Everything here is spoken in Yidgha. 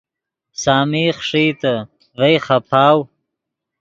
سامی خݰئیتے ڤئے خیپاؤ